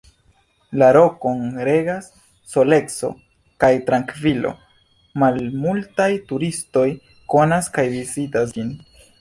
La rokon regas soleco kaj trankvilo; malmultaj turistoj konas kaj vizitas ĝin.